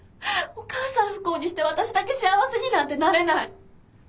お母さん不幸にして私だけ幸せになんてなれない。